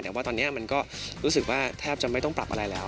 แต่ว่าตอนนี้มันก็รู้สึกว่าแทบจะไม่ต้องปรับอะไรแล้ว